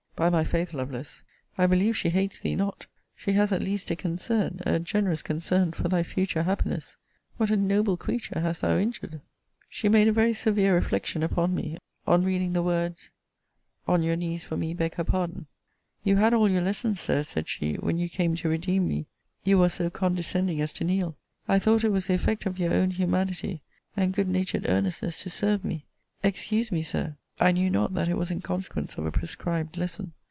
By my faith, Lovelace, I believe she hates thee not! she has at least a concern, a generous concern for thy future happiness What a noble creature hast thou injured! She made a very severe reflection upon me, on reading the words On your knees, for me, beg her pardon 'You had all your lessons, Sir, said she, when you came to redeem me You was so condescending as to kneel: I thought it was the effect of your own humanity, and good natured earnestness to serve me excuse me, Sir, I knew not that it was in consequence of a prescribed lesson.'